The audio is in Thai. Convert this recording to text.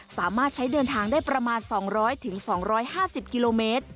สามารถใช้เดินทางได้ประมาณ๒๐๐๒๕๐กิโลเมตร